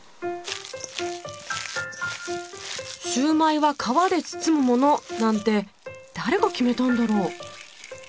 「焼売は皮で包むもの」なんて誰が決めたんだろう？